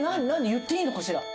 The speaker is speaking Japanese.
言っていいのかしら？